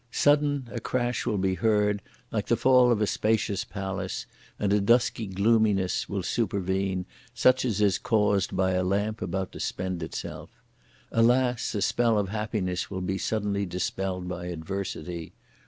Sudden a crash (will be heard) like the fall of a spacious palace, and a dusky gloominess (will supervene) such as is caused by a lamp about to spend itself! Alas! a spell of happiness will be suddenly (dispelled by) adversity!